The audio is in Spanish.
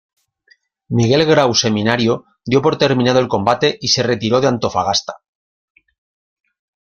Miguel Grau Seminario dio por terminado el combate y se retiró de Antofagasta.